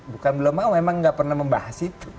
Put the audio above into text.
bukan belum mau memang nggak pernah membahas itu